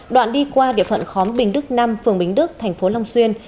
đoạn đi qua địa phận khóm bình đức năm phường bình đức thành phố long xuyên